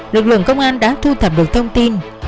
lực lượng công an đã thu thập được thông tin